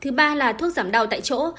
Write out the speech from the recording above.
thứ ba là thuốc giảm đau tại chỗ